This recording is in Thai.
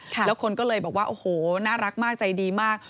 แล้วคนก็เลยบอกว่าโอ้โหน่ารักมากใจดีมาก